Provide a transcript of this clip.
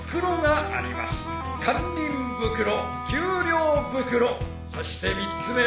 堪忍袋給料袋そして３つ目は